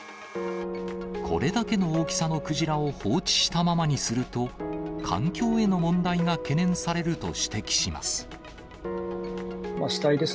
これだけの大きさのクジラを放置したままにすると、環境への問題が懸念されると指摘します。